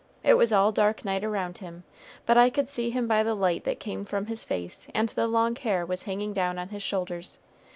It was all dark night around Him, but I could see Him by the light that came from his face, and the long hair was hanging down on his shoulders.